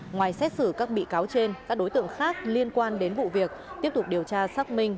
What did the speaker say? ngoài xét xử các bị cáo trên các đối tượng khác liên quan đến vụ việc tiếp tục điều tra xác minh